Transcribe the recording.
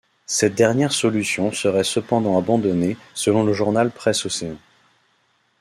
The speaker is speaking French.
Cette dernière solution serait cepandant abandonnée selon le journal Presse-Océan.